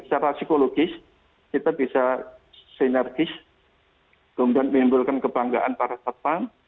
secara psikologis kita bisa sinergis kemudian menimbulkan kebanggaan para satpam